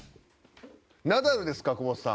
ナダルですか、久保田さん。